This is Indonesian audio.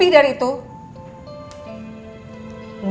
ibu sama bapak becengek